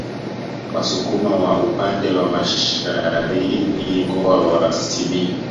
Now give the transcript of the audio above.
Wasukuma wa upande wa Masharini Mkoa wa Simiyu